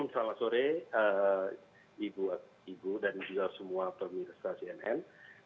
selamat sore ibu dan juga semua pemirsa cnn